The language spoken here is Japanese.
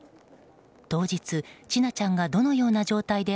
当日、千奈ちゃんがどのような状態で